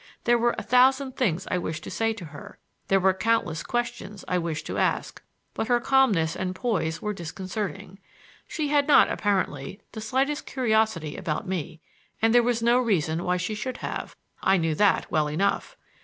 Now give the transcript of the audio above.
There were a thousand things I wished to say to her; there were countless questions I wished to ask; but her calmness and poise were disconcerting. She had not, apparently, the slightest curiosity about me; and there was no reason why she should have—I knew that well enough!